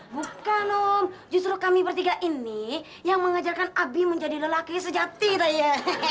bukan om justru kami bertiga ini yang mengajarkan abi menjadi lelaki sejati tadi ya